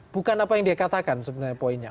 bukan apa yang dia katakan sebenarnya poinnya